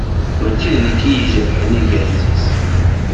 Mačči d nekk i ijerḥen agrez-is.